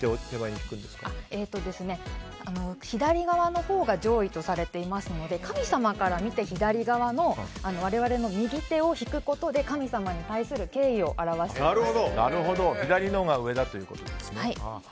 左側のほうが上位とされていますので神様から見て左側の我々の右手を引くことで神様に対する敬意を表しています。